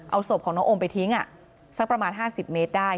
เอาศพของน้องโอมไปทิ้งสักประมาณ๕๐เมตรได้